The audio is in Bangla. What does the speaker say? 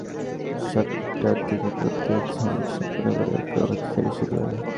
বিদ্যালয়ের শিক্ষার্থীরা সকাল সাড়ে সাতটার দিকে প্রাত্যহিক সমাবেশ সম্পন্ন করে প্রভাতফেরি শুরু করে।